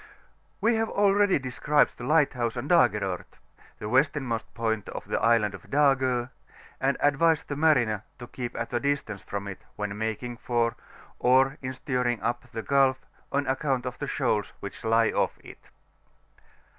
We have already described the lighthouse on Dagerort, the westernmost point of the Island of Dago, and advised the mariner to keep at a distance from it, when nriftVing for, or in steering up the Gulf, on accoimt of the shoals which lie off it.